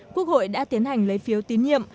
quốc hội đã tiến hành lấy phiếu tín nhiệm